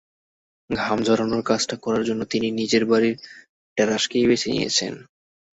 ঘাম ঝরানোর কাজটা করার জন্য তিনি নিজের বাড়ির টেরাসকেই বেছে নিয়েছেন।